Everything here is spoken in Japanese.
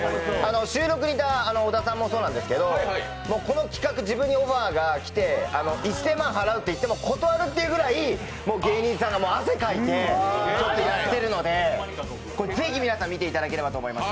収録にいた小田さんもそうなんですけどこの企画、自分にオファーが来て１０００万払うといっても断るぐらいに芸人さんが汗かいてやっているので、ぜひ皆さん見ていただければと思います。